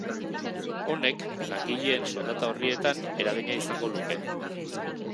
Honek, langileen soldata-orrietan eragina izango luke.